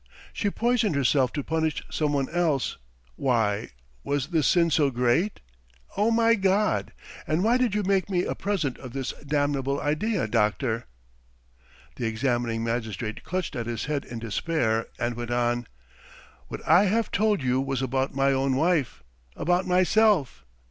She poisoned herself to punish some one else! Why, was the sin so great? Oh, my God! And why did you make me a present of this damnable idea, doctor!" The examining magistrate clutched at his head in despair, and went on: "What I have told you was about my own wife, about myself.